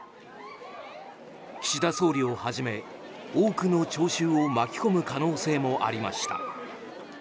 岸田総理をはじめ、多くの聴衆を巻き込む可能性もありました。